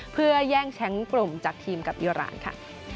เพื่อแย่งแชมป์กลุ่มจากทีมกับอิราณค่ะ